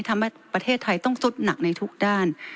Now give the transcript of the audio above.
ทำให้ประเทศไทยต้องสุดหนักในทุกด้าน